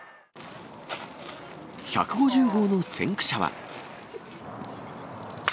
１５０号の先駆者は。